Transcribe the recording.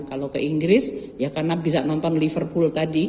kalau ke inggris ya karena bisa nonton liverpool tadi